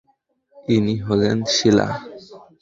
ইনি হলেন শীলা।